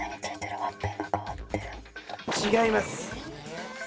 違いますえ？